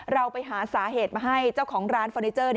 เราไปหาสาเหตุมาให้เจ้าของร้านเฟอร์นิเจอร์